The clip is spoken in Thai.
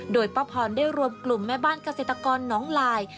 โดยป้าพรได้รวมกลุ่มแม่บ้านเกษตรกรน้องลาย